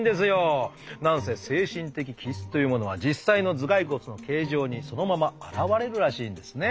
なんせ精神的気質というものは実際の頭蓋骨の形状にそのまま現れるらしいんですね。